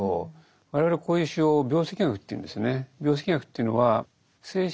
我々こういう手法を病跡学というんですね。